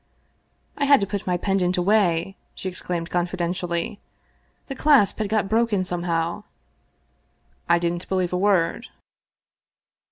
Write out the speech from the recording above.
" I had to put my pendant away," she explained confiden tially ;" the clasp had got broken somehow." I didn't be lieve a word.